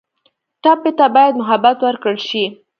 ټپي ته باید محبت ورکړل شي.